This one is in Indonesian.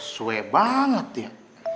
sue banget ya